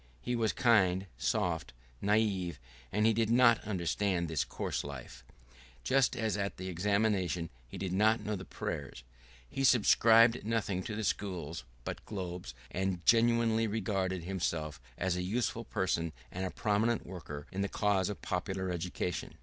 He was kind, soft, naive, and he did not understand this coarse life, just as at the examination he did not know the prayers. He subscribed nothing to the schools but globes, and genuinely regarded himself as a useful person and a prominent worker in the cause of popular education.